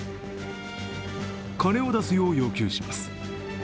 金を出すよう要求します。